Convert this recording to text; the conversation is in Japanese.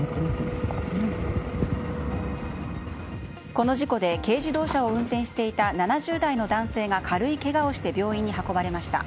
この事故で軽自動車を運転していた７０代の男性が軽いけがをして病院に運ばれました。